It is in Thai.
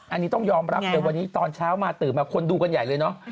อันนี้ต้องยอมรับเลยวันนี้ตอนเช้ามาตื่นมาคนดูกันใหญ่เลยเนาะ